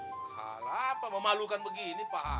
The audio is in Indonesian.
pahala apa memalukan begini pahala